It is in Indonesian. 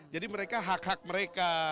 jadi mereka hak hak mereka